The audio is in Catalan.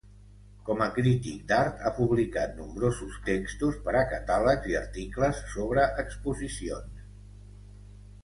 Com a crític d'art ha publicat nombrosos textos per a catàlegs i articles sobre exposicions.